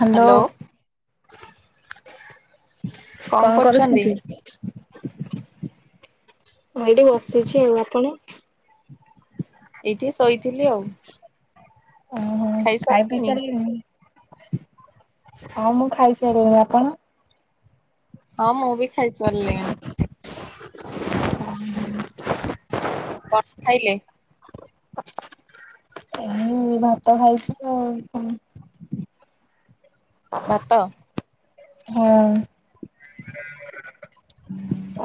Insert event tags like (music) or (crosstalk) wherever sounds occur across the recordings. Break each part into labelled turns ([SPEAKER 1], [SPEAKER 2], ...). [SPEAKER 1] Hello.
[SPEAKER 2] Hello
[SPEAKER 1] କଣ କରୁଛନ୍ତି? ମୁଁ ଏଇଟି ବସିଛି ଆଉ। ଆପଣ?
[SPEAKER 2] ଏଇଠି ଶୋଇଥିଲି ଆଉ।
[SPEAKER 1] ଓହୋ ଖାଇ ପି
[SPEAKER 2] ଖାଇସାରିଲେଣି?
[SPEAKER 1] ସାଲୁଣି? ହଁ ମୁଁ ଖାଇସାଇଲିଣି। ଆପଣ?
[SPEAKER 2] ହଁ ମୁଁ ବି ଖାଇସାଲିଣି। କ ଖାଇଲେ?
[SPEAKER 1] ଏଇ ଭାତ ଖାଇଚି ଆଉ କଁ।
[SPEAKER 2] ଭାତ?
[SPEAKER 1] ହଁ।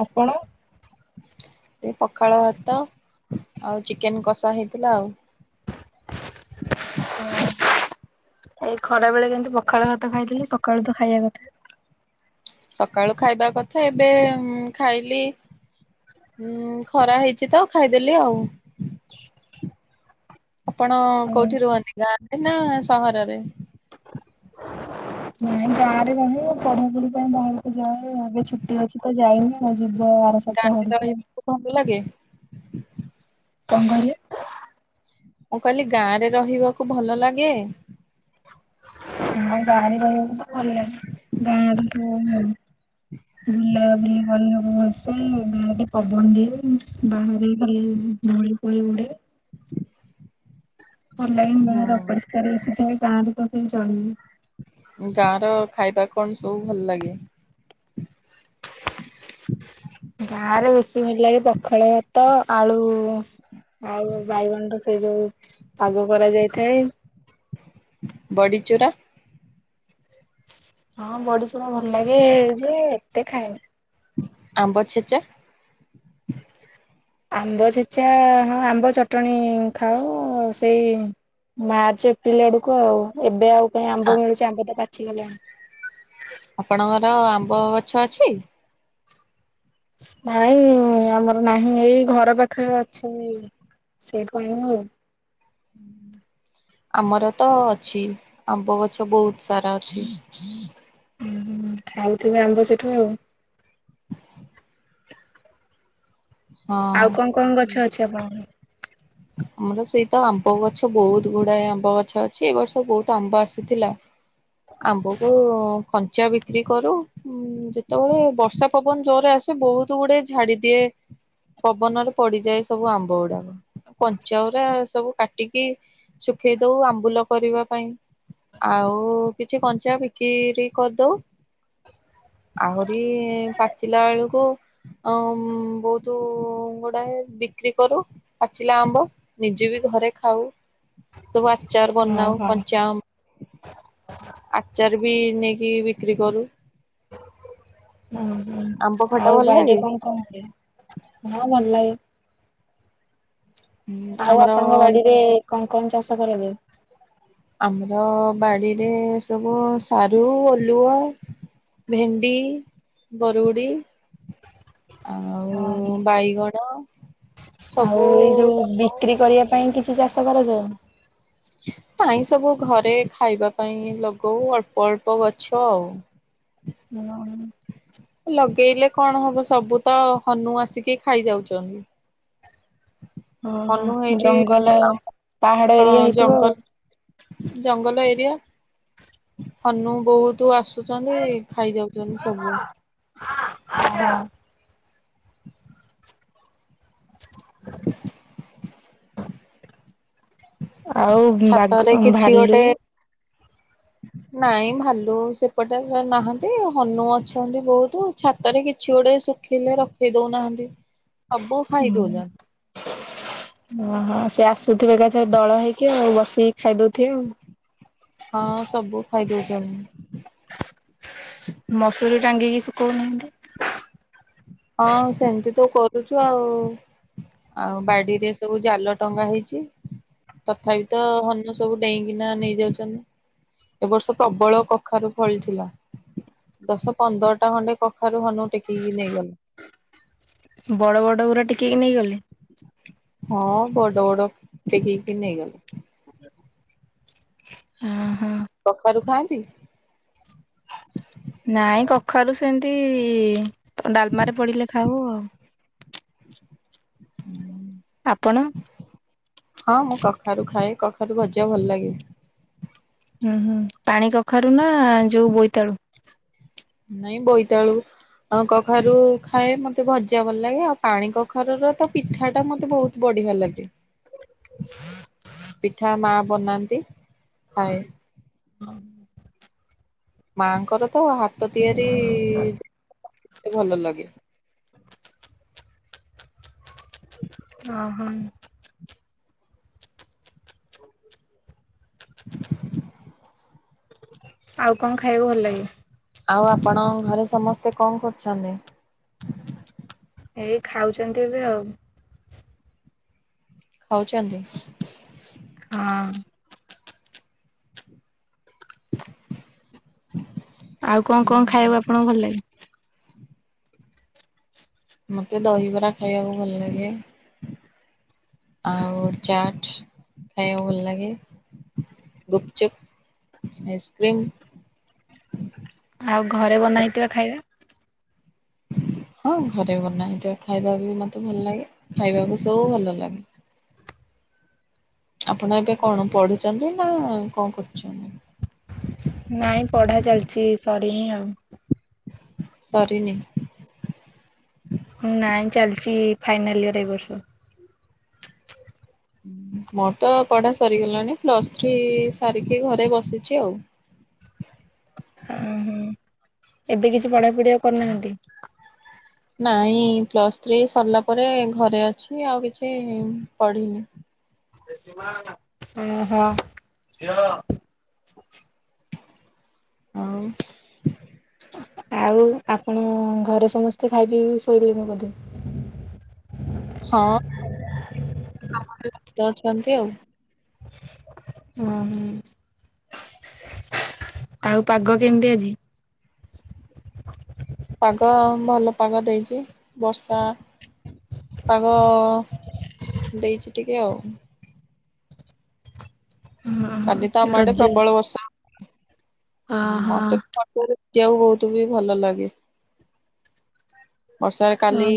[SPEAKER 1] ଆପଣ?
[SPEAKER 2] ଏଇ ପଖାଳ ଭାତ ଆଉ ଚିକେନ୍ କଷା ହେଇଥିଲା ଆଉ।
[SPEAKER 1] ଉଁ ଏଇ ଖରା ବେଳେ କେନ୍ତି ପ ଖାଳ ଭାତ ଖାଇଥିଲି। ସକାଳୁ ତ ଖାଇଆକ
[SPEAKER 2] ସକାଳୁ ଖାଇବା କଥା ଏବେ ଉଁ ଖାଇଲି। ହୁଁ ଖରା ହେଇଚି ତ ଖାଇଦେଲି ଆଉ। ଆପଣ କୋଉଠି ରୁଅନ୍ତି? ଗାଁରେ ନାଁ ସହରରେ?
[SPEAKER 1] ନାଇଁ ଗାଁରେ ରହେ ପଢ଼ାପୁଢ଼ି ପାଇଁ ବାହାରୁକୁ ଯାଏ ଏବେ ଛୁଟି ଅଛି ତ ଯାଇନି ଆଉ। ଯିବ ଆର ସପ୍ତାହ
[SPEAKER 2] ଗାଁରେ
[SPEAKER 1] ଆଡ଼ୁକୁ।
[SPEAKER 2] ରହିବାକୁ ଭଲ ଲାଗେ?
[SPEAKER 1] କଁ କହିଲେ?
[SPEAKER 2] ମୁଁ କଇଲି ଗାଁରେ ରହିବାକୁ ଭଲ ଲାଗେ?
[SPEAKER 1] ଉଁ ଗାଁରେ ରହିବାକୁ ତ ଭଲଲାଗେ। ଗାଁରେ ସବୁ ଭ ବୁଲାବୁଲି କରିହବ ଭଲସେ ଆଉ ଗାଁରେ ପବନ ଦିଏ ବାହାରେ ବି ଭଲ୍ ଧୂଳି ଫୁଳି ଉଡ଼େ। ଭଲ ଲାଗେନି
[SPEAKER 2] ହୁଁ।
[SPEAKER 1] ବାହାରେ ଅପରିଷ୍କାର ବେସି ଥାଏ ଗାଁରେ ତ କେବେ ଚଳିନି।
[SPEAKER 2] ଗାଁର ଖାଇବା କଣ ସବୁ ଭଲ ଲାଗେ?
[SPEAKER 1] ଗାଁରେ ବେଶୀ ଭଲ ଲାଗେ ପଖାଳ ଭାତ ଆଳୁ ଆଉ ବାଇଗଣର ସେଇ ଯୋଉ ପାଗ କରାଯାଇଥାଏ।
[SPEAKER 2] ବଡ଼ିଚୁରା?
[SPEAKER 1] ହଁ ବଡ଼ିଚୁରା ଭଲ ଲାଗେ ଯେ ଏତେ ଖାଏନି।
[SPEAKER 2] ଆମ୍ବ ଛେଚା?
[SPEAKER 1] ଆମ୍ବ ଛେଚା ହଁ ଆମ୍ବ ଚଟଣି ଖାଉ ସେଇ ମାର୍ଚ୍ଚ ଏପ୍ରିଲ୍ ଆଡ଼ୁକୁ ଆଉ ଏବେ ଆଉ କାଇଁ
[SPEAKER 2] ଆ
[SPEAKER 1] ଆମ୍ବ ମିଳୁଚି ଆମ୍ବ ତ ପାଚିଗଲାଣି।
[SPEAKER 2] ଆପଣଙ୍କର ଆମ୍ବ ଗଛ ଅଛି?
[SPEAKER 1] ନାଇଁ ଆମର ନାହିଁ ଏଇ ଘର ପାଖରେ ଅଛନ୍ତି। ସେଇଠୁ ଆଣିମୁ।
[SPEAKER 2] ହୁଁ ଆମର ତ ଅଛି ଆମ୍ବ ଗଛ ବହୁତ ସାରା ଅଛି।
[SPEAKER 1] ହୁଁ ଖାଉଥିବେ ଆମ୍ବ ସେଠୁ ଆଉ।
[SPEAKER 2] ହଁ।
[SPEAKER 1] ଆଉ କଣ କଣ
[SPEAKER 2] ହୁଁ।
[SPEAKER 1] ଗଛ ଅଛି ଆପଣଙ୍କର?
[SPEAKER 2] ଆମର ସେଇତ ଆମ୍ବ ଗଛ ବହୁତ ଗୁଡାଏ ଆମ୍ବ ଗଛ ଅଛି ଏ ବର୍ଷ ବହୁତ ଆମ୍ବ ଆସିଥିଲା। ଆମ୍ୱକୁ ଖଞ୍ଚା ବିକ୍ରି କରୁ ଉ ଯେତେବେଳେ ବର୍ଷା ପବନ ଜୋରେ ଆସେ ବହୁତ ଗୁଡେ ଝାଡି ଦିଏ। ପବନରେ ପଡିଯାଏ ସବୁ ଆମ୍ବ ଗୁଡାକ। କଞ୍ଚାଉରା ସବୁ କାଟିକି ଶୁଖେଇ ଦଉ ଆମ୍ବୁଲ କରିବା ପାଇଁ। ଆଉ କିଛି କଞ୍ଚା ବିକିରି କରଦଉ। ଆହୁରି ପାଚିଲା ବେଳକୁ ଅ ବହୁତ ଗୁଡାଏ ପି ବିକ୍ରି କରୁ ପାଚିଲା ଆମ୍ବ ନିଜେ ବି ଘରେ ଖାଉ ସବୁ ଆଚାର ବନାଉ
[SPEAKER 1] ଓହୋ।
[SPEAKER 2] କଞ୍ଚାଆମ୍ଵ ଆଚାର ବି ନେଇକି ବିକ୍ରି କରୁ।
[SPEAKER 1] ଉଁ ହୁଁ
[SPEAKER 2] ଆମ୍ବ ଖଟା
[SPEAKER 1] ଆଉ
[SPEAKER 2] ଭଲ
[SPEAKER 1] ବାଇରେ
[SPEAKER 2] ଲାଗେ
[SPEAKER 1] କଣ କଣ ଲାଗେ ହଁ ଭଲ ଲାଗେ।
[SPEAKER 2] ହୁଁ,
[SPEAKER 1] ଆଉ
[SPEAKER 2] ଆମର
[SPEAKER 1] ଆପଣଙ୍କ ବାଡିରେ ଙ୍କ ଙ୍କ ଚାଷ କରିଯାଏ?
[SPEAKER 2] ହଁ ବାଡିରେ ସବୁ ସାରୁ ଓଲୁଅ ଭେଣ୍ଡି ବରୁଗୁଡ଼ି ଆଉ
[SPEAKER 1] ଓହୋ
[SPEAKER 2] ବାଇଗଣ ସବୁ
[SPEAKER 1] ଆଉ ଏଇ ଯୋଉ
[SPEAKER 2] ଲଗାଉ
[SPEAKER 1] ବିକ୍ରି କରିବା ପାଇଁ କିଛି ଚାଷ କରାଯାଏନା
[SPEAKER 2] ହ ପାଇଁ ସବୁ ଘରେ ଖାଇବା ପାଇଁ ଲଗଉ ଅଳ୍ପ ଅଳ୍ପ ଗଛ ଆଉ।
[SPEAKER 1] ହୁଁ (unintelligible)
[SPEAKER 2] ଲଗେଇଲେ କଣ ହବ ସବୁ ତ ହନୁ ଆସିକି ଖାଇଯାଉଚନ୍ତି।
[SPEAKER 1] ଓହୋ
[SPEAKER 2] ହନୁ ହେଇଠି
[SPEAKER 1] ଜଙ୍ଗଲ
[SPEAKER 2] ଆଉ
[SPEAKER 1] ପାହାଡ
[SPEAKER 2] ହଁ
[SPEAKER 1] ଏରିଆ ହେଇଥିବ
[SPEAKER 2] ଜଙ୍ଗଲ ଜଙ୍ଗଲ ଏରିଆ। ହନୁ ବହୁତ ଆସୁଚନ୍ତି ଖାଇ ଯାଉଚନ୍ତି ସବୁ।
[SPEAKER 1] (unintelligible) ଆଉ ବାଘ
[SPEAKER 2] ଛାତରେ କିଛି ଗୋଟେ
[SPEAKER 1] ଭାଲୁ
[SPEAKER 2] ନାଇଁ ଭାଲୁ ସେପଟେ ନାହାନ୍ତି ହନୁ ଅଛନ୍ତି ବହୁତ ଛାତରେ କିଛି ଗୋଟେ ଏ ଶୁଖିଲେ ରଖେଇ ଦଉନାହାନ୍ତି ସବୁ ଖାଇ ଦଉଯା
[SPEAKER 1] ଓହୋ ସେ ଆସୁଥିବେ ଏକାଥରେ ଦଳ ହେଇକି ଆଉ ବସିକି ଖାଇଦଉଥିବେ ଆଉ।
[SPEAKER 2] ହଁ ସବୁ ଖାଇଦଉଚନ୍ତି।
[SPEAKER 1] ମସୁରୀ ଟାଙ୍ଗିକି ସୁକୋଉ ନାହାନ୍ତି
[SPEAKER 2] ହଁ ସେମିତି ତ କରୁଚୁ ଆଉ। ଆଉ ବାଡିରେ ସବୁ ଜାଲ ଟଙ୍ଗା ହେଇଚି। ତଥାପି ତ ହନୁ ସବୁ ଡେଇଁକିନା ନେଇଯାଉଚନ୍ତି। ଏ ବର୍ଷ ପ୍ରବଳ କଖାରୁ ଫଳି ଥିଲା। ଦଶ ପନ୍ଦରଟା ଖଣ୍ଡେ କଖାରୁ ହନୁ ଟେକିକି ନେଇଗଲ।
[SPEAKER 1] ବଡ ବଡ ଗୁରା ଟିକିକି ନେଇଗଲେ।
[SPEAKER 2] ହଁ ବଡ ବଡ଼ ଟେକିକି ନେଇ ଗଲେ।
[SPEAKER 1] ଓହୋ।
[SPEAKER 2] କଖାରୁ ଖାଆନ୍ତି
[SPEAKER 1] ନାଇଁ କଖାରୁ ସେମିତି ଡାଲମାରେ ପଡିଲେ ଖାଉ ଆଉ।
[SPEAKER 2] ହ ହୁଁ
[SPEAKER 1] ଆପଣ
[SPEAKER 2] ହଁ ମୁଁ କଖାରୁ ଖାଏ କଖାରୁ ଭଜା ଭଲ ଲାଗେ।
[SPEAKER 1] ହୁଁ ହୁଁ ପାଣି କଖାରୁ ନା ଯୋଉ ବୋଇତାଳୁ
[SPEAKER 2] ନାଇଁ ବୋଇତାଳୁ ଅ କଖାରୁ ଖାଏ ମତେ ଭଜା ଭଲ ଲାଗେ। ଆଉ ପାଣି କଖାରୁର ତ ପିଠା ଟା ମତେ ବହୁତ ବଢ଼ି ଆ ଲାଗେ।
[SPEAKER 1] ଘୃଂ ଘ୍ରୁ
[SPEAKER 2] ପିଠା ମା ବନାନ୍ତି ଖାଏ।
[SPEAKER 1] ହଁ।
[SPEAKER 2] ମାଆଙ୍କର ତ ହାତ ତିଆରି ମତେ ଭଲ ଲାଗେ।
[SPEAKER 1] ଅ ହଁ।
[SPEAKER 2] (unintelligible)
[SPEAKER 1] ଆଉ କଣ ଖାଇବାକୁ ଭଲ ଲାଗେ?
[SPEAKER 2] ଆଉ ଆପଣଙ୍କ ଘରେ ସମସ୍ତେ କଣ କରୁଚନ୍ତି?
[SPEAKER 1] ଏଇ ଖାଉଛନ୍ତି ଏବେ ଆଉ।
[SPEAKER 2] ଖାଉଚନ୍ତି?
[SPEAKER 1] ହଁ।
[SPEAKER 2] (unintelligible)
[SPEAKER 1] ଆଉ କଣ କଣ
[SPEAKER 2] ହୁଁ।
[SPEAKER 1] ଖାଇବାକୁ ଆପଣଙ୍କୁ ଭଲ ଲାଗେ?
[SPEAKER 2] ମତେ ଦହିବରା ଖାଇବାକୁ ଭଲ ଲାଗେ ଆଉ ଚାଟ୍ ଖାଇବାକୁ ଭଲ ଲାଗେ ଗୁପଚୁପ୍, ଆଇସ୍କ୍ରିମ୍
[SPEAKER 1] ଆଉ ଘରେ ବନା ହେଇଥିବା ଖାଇବା?
[SPEAKER 2] ଘୁଡ଼ରୁ ହଁ ଘରେ ବନା ହେଇଥିବା ଖାଇବା ବି ମତେ ଭଲ ଲାଗେ, ଖାଇବାକୁ ସବୁ ଭଲ ଲାଗେ। (unintelligible) ଆପଣ ଏବେ କଣ ପଢୁଚନ୍ତି ନା କଣ କରୁଚନ୍ତି?
[SPEAKER 1] ନାଇଁ ପଢା ଚାଲିଛି ସରିନି ଆଉ।
[SPEAKER 2] ସରିନି।
[SPEAKER 1] ଫାଇନାଲ୍ ଇୟର ଏଇ ବର୍ଷ।
[SPEAKER 2] ମୋର ତ ପଢ଼ା ସରିଗଲାଣି, ପ୍ଲସ୍ ଥ୍ରୀ ସାରିକି ଘରେ ବସିଚି ଆଉ। (unintelligible)
[SPEAKER 1] ଅହୋ। ଏବେ କିଛି ପଢ଼ାପଢ଼ି ଆଉ କରୁନାହାଁନ୍ତି?
[SPEAKER 2] ନାଇଁ ପ୍ଲସ୍ ଥ୍ରୀ ସରିଲା ପରେ ଘରେ ଅଛି ଆଉ କିଛି ପଢ଼ିନି।
[SPEAKER 1] ଓହୋ।
[SPEAKER 2] ଆଉ
[SPEAKER 1] ଆଉ ଆପଣଙ୍କ ଘରେ ସମସ୍ତେ ଖାଇ ପିଇକି ଶୋଇଲେଣି ବୋଧେ?
[SPEAKER 2] ହଁ ଖାଇ ପିଇ ଅଛନ୍ତି ଆଉ।
[SPEAKER 1] ହଁ ହଁ। ଆଉ ପାଗ କେମତି ଆଜି?
[SPEAKER 2] ପାଗ ଭଲ ପାଗ ଦେଇଚି, ବର୍ଷା ପାଗ ଦେଇଚି ଟିକେ ଆଉ।
[SPEAKER 1] ହଁ
[SPEAKER 2] କାଲିି ତ
[SPEAKER 1] ହଁ
[SPEAKER 2] ଆମ ଆଡ଼େ
[SPEAKER 1] ରଜ
[SPEAKER 2] ପ୍ରବଳ ବର୍ଷା। ଅମ୍
[SPEAKER 1] ଓହୋ।
[SPEAKER 2] ମତେ ପାଗରେ ଦେଖିବାକୁ ବହୁତ ବି ଭଲ ଲାଗେ। ବର୍ଷାରେ କାଲି
[SPEAKER 1] ହଁ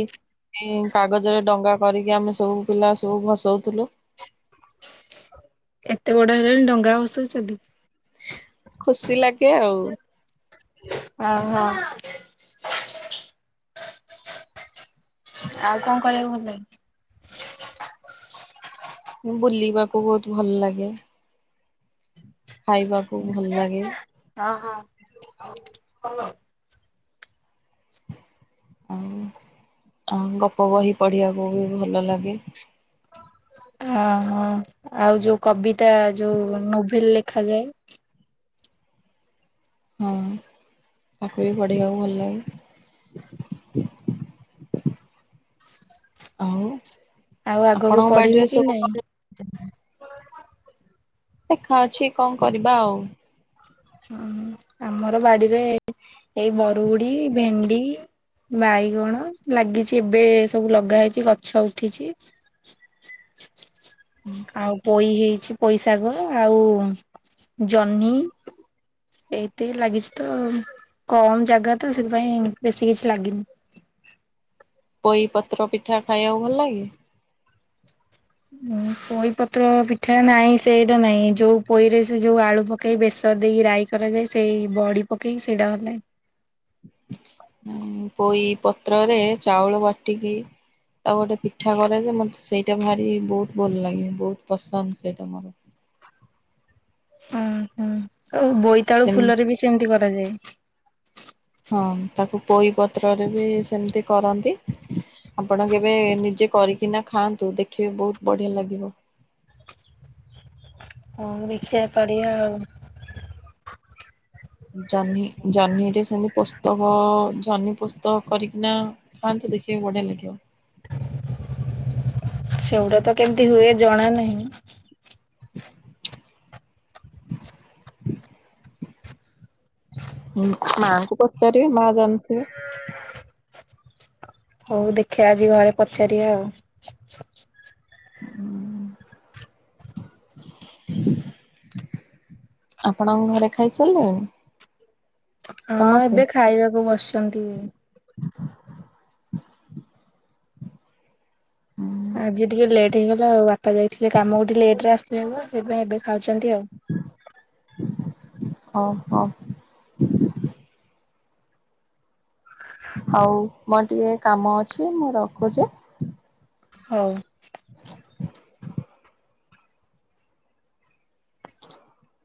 [SPEAKER 2] ମୁଁ କାଗଜରେ ଡଙ୍ଗା କରିକି ଆମେ ସବୁ ପିଲା ସବୁ ଭସଉଥିଲୁ।
[SPEAKER 1] ଏତେ ବଡ ହେଲେଣି ଡଙ୍ଗା ଭସଉଚନ୍ତି।
[SPEAKER 2] ଖୁସି ଲାଗେ ଆଉ।
[SPEAKER 1] ହଉ ହଉ। ଆଉ କଣ କରିବାକୁ ଭଲ ଲାଗେ?
[SPEAKER 2] ବୁଲିବାକୁ ବହୁତ ଭଲ ଲାଗେ ଖାଇବାକୁ ଭଲ ଲାଗେ
[SPEAKER 1] (unintelligible)
[SPEAKER 2] ଆଉ ଆଉ ଗପ ବହି ପଢ଼ିବାକୁ ବି ଭଲ ଲାଗେ।
[SPEAKER 1] ହଁ ହଁ ଆଉ ଯୋଉ କବିତା ଯୋଉ ନୋଭେଲ ଲେଖାଯାଏ।
[SPEAKER 2] ହୁଁ ତାକୁ ବି ପଢିଆକୁ ଭଲ ଲାଗେ। ଆଉ
[SPEAKER 1] ଆଉ ଆଗକୁ
[SPEAKER 2] ଆପଣଙ୍କ
[SPEAKER 1] ପଢିବେ
[SPEAKER 2] ବାଡିରେ
[SPEAKER 1] କି
[SPEAKER 2] ସବୁ
[SPEAKER 1] ନାଇଁ?
[SPEAKER 2] କଣ ଲଗେଇଛନ୍ତି? ଦେଖା ଅଛି କଣ କରିବା ଆଉ।
[SPEAKER 1] ହୁଁ ଆମର ବାଡ଼ିରେ ଏଇ ବରୁଡ଼ି, ଭେଣ୍ଡି ବାଇଗଣ ଲାଗିଛି ଏବେ ସବୁ ଲଗା ହେଇଛି ଗଛ ଉଠିଛି। ଆଉ ପୋଇ ହେଇଛି। ପୋଇଶାଗ ଆଉ ଜହ୍ନି
[SPEAKER 2] ହଁ
[SPEAKER 1] ଏତିକି ଲାଗିଛି ତ କମ୍ ଜାଗା ତ ସେଥିପାଇଁ ବେଶୀ କିଛି ଲାଗିନି।
[SPEAKER 2] ପୋଇ ପତ୍ର ପିଠା ଖାଇବାକୁ ଭଲ ଲାଗେ?
[SPEAKER 1] ପୋଇପତ୍ର ପିଠା ନାହିଁ ସେଇଟା ନାଇଁ ଯୋଉ ପୋଇରେ ସେ ଯୋଉ ଆଳୁ ପକେଇ ବେ ଦେଇକି ରାଇ କରାଯାଏ ସେଇ ବଡ଼ି ପକେଇକି ସେଇଟା ଭଲ ଲାଗେ।
[SPEAKER 2] ପୋଇ ପତ୍ରରେ ଚାଉଳ ବାଟିକି ଆଉ ଗୋଟେ ପିଠା କରାଯାଏ ମତେ ସେଇଟା ଭାରି ବହୁତ ଭଲ ଲାଗେ ବହୁତ ପସନ୍ଦ ସେଇଟା ମୋର। (inaudible)
[SPEAKER 1] ଓ ହୋ ଆଉ ବୋଇତାଳୁ
[SPEAKER 2] ସେମ
[SPEAKER 1] ଫୁଲରେ ବି ସେମିତି କରାଯାଏ।
[SPEAKER 2] ହଁ ତାକୁ ପୋଇ ପତ୍ରରେ ବି ସେମିତି କରନ୍ତି। ଆପଣ କେବେ ନିଜେ କରିକିନା ଖାଆନ୍ତୁ ଦେଖିବେ ବହୁତ ବଢିଆ ଲାଗିବ।
[SPEAKER 1] ହଁ ଦେଖିବା କରିବା ଆଉ।
[SPEAKER 2] ଜହ୍ନି ଜହ୍ନିରେ ସେମିତି ପୋସ୍ତକ ଜହ୍ନି ପୋସ୍ତକ କରିକିନା ଖାଆନ୍ତି। ଦେଖିବେ ବଢ଼ିଆ ଲାଗିବ।
[SPEAKER 1] ସେଗୁଡ଼ା ତ କେମିତି ହୁଏ ଜଣା ନାହିଁ?
[SPEAKER 2] (inaudible) ମାଙ୍କୁ ପଚାରିବେ ମା ଜାଣିଥିବେ।
[SPEAKER 1] ହଉ ଦେଖିଆ ଆଜି ଘରେ ପଚାରିବା ଆଉ।
[SPEAKER 2] ହୁଁ। ଆପଣଙ୍କ ଘରେ ଖାଇସାରିଲେଣି?
[SPEAKER 1] ହଁ
[SPEAKER 2] ସମସ୍ତେ?
[SPEAKER 1] ଏବେ ଖାଇବାକୁ ବସିଛନ୍ତି।
[SPEAKER 2] (inaudible) ହଁ
[SPEAKER 1] ଆଜି ଟିକେ ଲେଟ୍ ହେଇଗଲା ଆଉ ବାପା ଯାଇଥିଲେ କାମ ଲେଟ ରେ ଆସିଥିଲେ ତ ସେଇଥିପାଇଁ ଏବେ ଖାଉଛନ୍ତି ଆଉ।
[SPEAKER 2] ଓହୋ (inaudible) ହଉ ମୋର ଟିକେ କାମ ଅଛି ମୁଁ ରଖୁଛି।
[SPEAKER 1] ହଉ।
[SPEAKER 2] (inaudible) (inaudible)